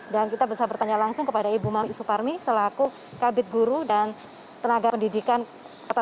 dan kita bisa bertanya langsung kepada ibu malik suparmi selaku kabit guru dan tenaga pendidikan kota surabaya